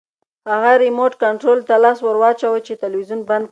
هغې ریموټ کنټرول ته لاس ورواچاوه چې تلویزیون بند کړي.